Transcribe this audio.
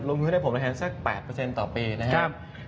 ลงทุนให้ผมระแทนสัก๘ต่อปีนะครับ